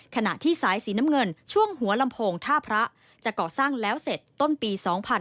ขณะที่สายสีน้ำเงินช่วงหัวลำโพงท่าพระจะก่อสร้างแล้วเสร็จต้นปี๒๕๕๙